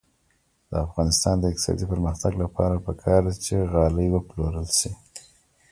د افغانستان د اقتصادي پرمختګ لپاره پکار ده چې غالۍ وپلورل شي.